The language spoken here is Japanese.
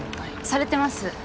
されてます。